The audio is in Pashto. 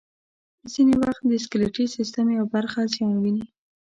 ځینې وخت د سکلیټي سیستم یوه برخه زیان ویني.